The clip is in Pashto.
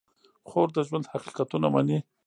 خور د ژوند حقیقتونه مني.